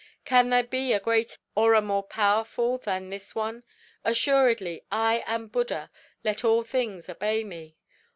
"'Can there be a greater or a more powerful than this one? Assuredly, I am Buddha; let all things obey me.